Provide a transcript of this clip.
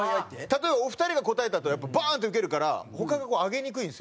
例えばお二人が答えたあとはバーンってウケるから他がこう挙げにくいんですよ。